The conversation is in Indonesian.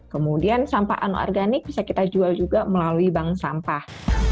kemudian sampah anorganik bisa kita jual juga melalui bank sampah